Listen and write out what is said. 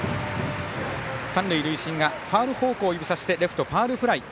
三塁塁審がファウル方向を指さしてレフトファウルフライ。